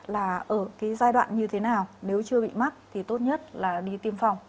là ở cái giai đoạn như thế nào nếu chưa bị mắc thì tốt nhất là đi tiêm phòng